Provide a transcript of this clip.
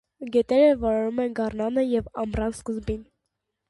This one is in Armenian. Գետերը վարարում են գարնանը և ամռան սկզբին։